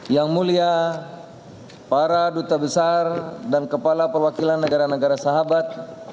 yang mulia para duta besar dan kepala perwakilan negara negara sahabat